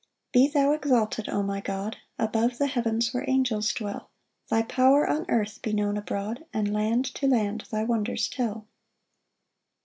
6 Be thou exalted, O my God, Above the heavens where angels dwell; Thy power on earth be known abroad, And land to land thy wonders tell.